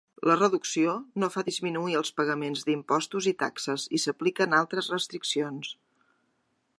La reducció no fa disminuir els pagaments d'impostos i taxes, i s'apliquen altres restriccions.